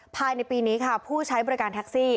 ภายในปีนี้ค่ะผู้ใช้บริการแท็กซี่